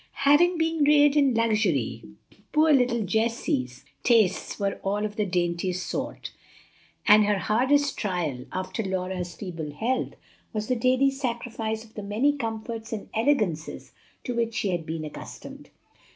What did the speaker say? Having been reared in luxury, poor little Jessie's tastes were all of the daintiest sort; and her hardest trial, after Laura's feeble health, was the daily sacrifice of the many comforts and elegances to which she had been accustomed.